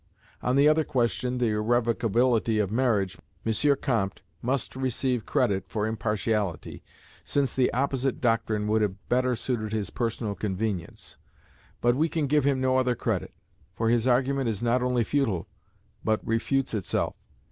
On the other question, the irrevocability of marriage, M. Comte must receive credit for impartiality, since the opposite doctrine would have better suited his personal convenience: but we can give him no other credit, for his argument is not only futile but refutes itself.